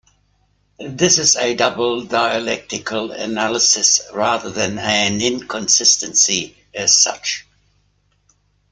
This is a double-dialectical analysis, rather than an inconsistency as such.